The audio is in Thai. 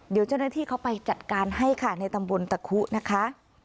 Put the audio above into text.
เดี๋ยวเจ้าหน้าที่เขาไปจัดการให้ค่ะในตำบลตะคุนะคะ